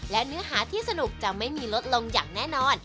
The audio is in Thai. และเนื้อหาที่สนุกจะไม่มีลดลงอย่างแน่นอน